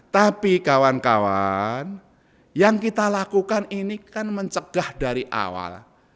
tapi kawan kawan yang kita lakukan ini kan mencegah dari awal